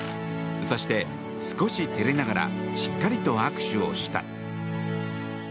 そして、少し照れながらしっかりと握手をした。